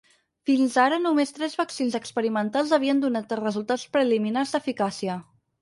Fins ara només tres vaccins experimentals havien donat resultats preliminars d’eficàcia.